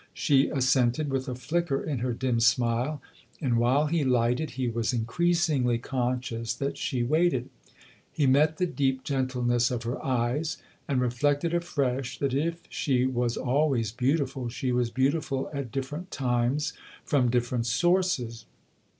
She assented with a flicker in her dim smile, and while he lighted he was increasingly conscious that she waited. He met the deep gentleness of her eyes and reflected afresh that if she was always beautiful she was beautiful at different times from different sources.